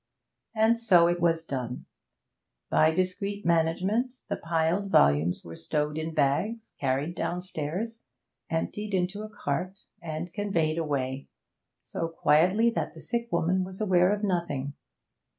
And so it was done. By discreet management the piled volumes were stowed in bags, carried downstairs, emptied into a cart, and conveyed away, so quietly that the sick woman was aware of nothing.